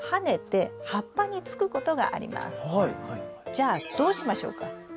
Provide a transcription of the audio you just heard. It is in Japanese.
じゃあどうしましょうか？